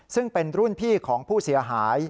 ซึ่งเป็นรุ่นพี่ของผู้เสียหาย